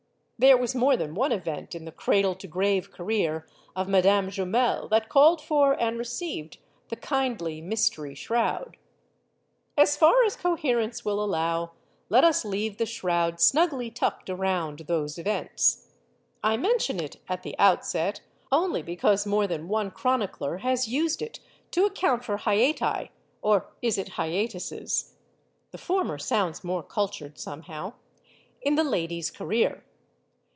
There was more than one event in the cradle to grave career of Madame Jumel that called for and received the kindly mystery shroud. As far as coherence will allow, let us leave the shroud snugly tucked around those events. I mention it, at the outset, only because more than one chronicler has used it to account for hiati (or is it hiatuses? The former sounds more cultured, some how ) in the lady's career.